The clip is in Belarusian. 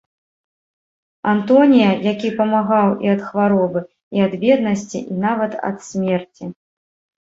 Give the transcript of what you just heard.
Антонія, які памагаў і ад хваробы, і ад беднасці, і нават ад смерці.